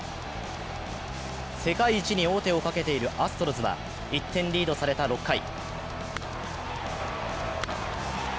世界一に王手をかけているアストロズは１点リードされた６回。